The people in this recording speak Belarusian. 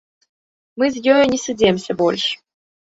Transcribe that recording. Мы з ёю не сыдземся больш.